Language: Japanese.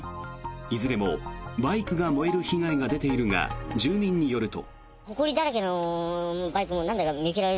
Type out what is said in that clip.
いずれもバイクが燃える被害が出ているが、住民によると。